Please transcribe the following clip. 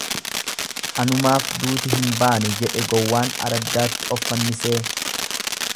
Anumaaf duuti hin baane jedhe gowwaan araddaatti of fannisee.